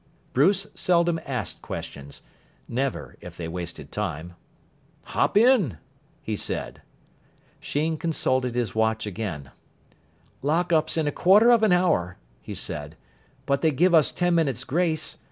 Bruce seldom asked questions never, if they wasted time. "Hop in," he said. Sheen consulted his watch again. "Lock up's in a quarter of an hour," he said, "but they give us ten minutes' grace.